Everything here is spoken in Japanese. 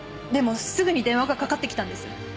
でもすぐに電話がかかって来たんです。